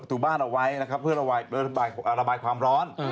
ตูบ้านเอาไว้นะครับเพื่อระบายระบายความร้อน